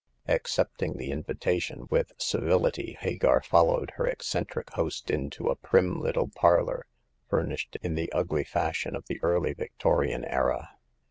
Accepting the invitation with civility, Hagar followed her eccentric host into a prim little parlor furnished in the ugly fashion of the early Victorian era.